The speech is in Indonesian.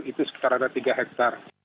itu sekitar ada tiga hektare